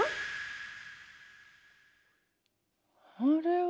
あれは。